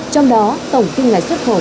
trong đó tổng kim ngạch xuất khẩu